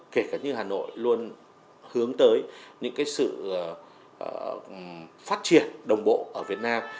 kể cả như hà nội luôn hướng tới những sự phát triển đồng bộ ở việt nam